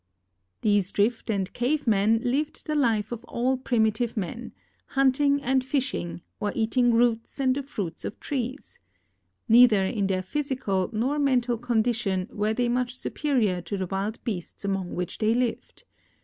These Drift and Cave men lived the life of all primitive men, hunting and fishing, or eating roots and the fruits of trees. Neither in their physical nor mental condition were they much THE EFFECTS OF GEOGRAPHIC ENVIRON MEXT 167 superior to the wild beasts among which tlicy lived.